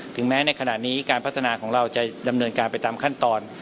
แม้ในขณะนี้การพัฒนาของเราจะดำเนินการไปตามขั้นตอน